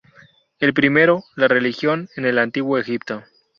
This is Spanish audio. El primero, la religión en el antiguo Egipto.